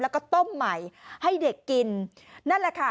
แล้วก็ต้มใหม่ให้เด็กกินนั่นแหละค่ะ